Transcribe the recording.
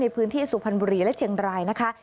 ในพื้นที่สุพรรณบุรีและเชียงดรายนะคะ